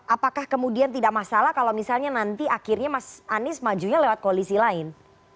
apakah kemudian tidak masalah kalau misalnya nanti akhirnya mas anies majunya lewat koalisi lain